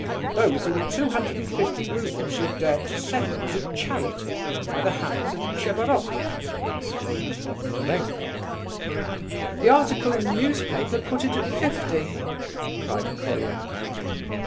"Those are the two hundred and fifty roubles you dared to send him as a charity, by the hands of Tchebaroff," explained Doktorenko. "The article in the newspaper put it at fifty!" cried Colia.